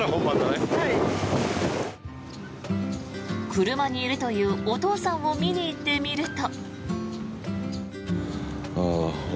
車にいるというお父さんを見に行ってみると。